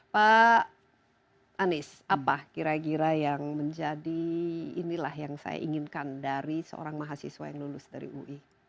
pak anies apa kira kira yang menjadi inilah yang saya inginkan dari seorang mahasiswa yang lulus dari ui